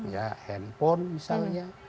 ya handphone misalnya